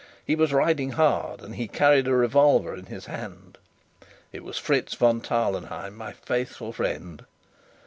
He was riding hard, and he carried a revolver in his hand. It was Fritz von Tarlenheim, my faithful friend.